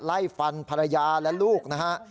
ไล่ฟันภรรยาและลูกนะฮะ